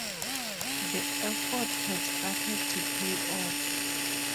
The efforts have started to pay off.